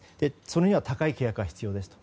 それには高い契約金が必要ですと。